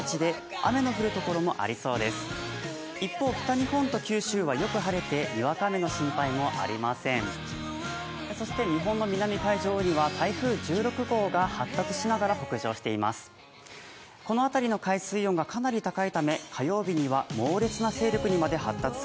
日本の海上には台風１６号が発達しながら北上しています。